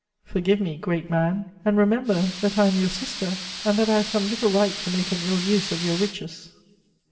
Forgive me, great man, and remember that I am your sister, and that I have some little right to make an ill use of your riches."